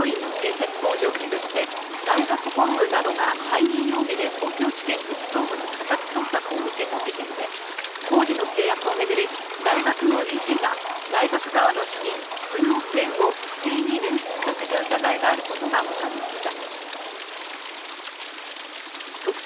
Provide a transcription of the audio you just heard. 日本大学の付属病院の建設工事をめぐって、大学本部などが背任容疑で東京地検特捜部の家宅捜索を受けた事件で工事の契約をめぐり、大学の理事が大学側の資金数億円を不正に流出させた疑いがあることが分かりました。